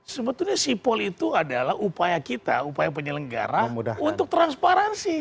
sebetulnya sipol itu adalah upaya kita upaya penyelenggara untuk transparansi